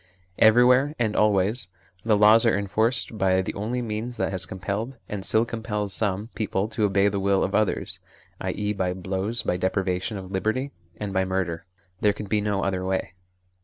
Everywhere and always the laws are enforced by the only means that has compelled, and still compels, some people to obey the will of others, i.e. by blows, by deprivation of liberty, and by murder. There can be no other way.